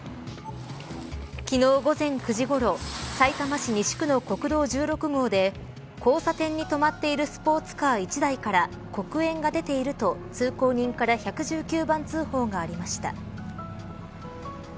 昨日、午前９時ごろさいたま市西区の国道１６号で交差点に止まっているスポーツカー１台から黒煙が出ていると通行人から１１９番通報がありました。